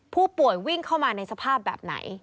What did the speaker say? ผู้ป่วยวิ่งเข้ามาในสภาพแบบไหน